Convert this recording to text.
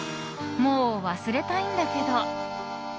「もう、忘れたいんだけど」。